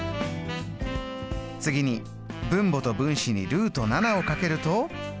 次に分母と分子にをかけると。